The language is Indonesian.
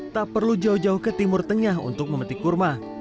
tak perlu jauh jauh ke timur tengah untuk memetik kurma